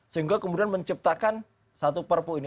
sehingga kemudian menciptakan satu perpu ini